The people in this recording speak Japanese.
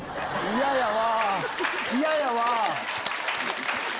嫌やわ！